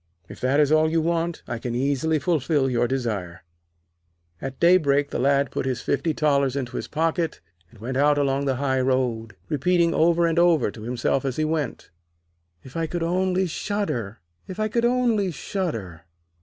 If that is all you want, I can easily fulfil your desire.' At daybreak, the Lad put his fifty thalers into his pocket, and went out along the high road, repeating over and over to himself as he went: 'If only I could shudder, if only I could shudder.'